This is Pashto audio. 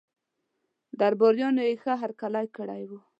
درباریانو یې ښه هرکلی کړی وو.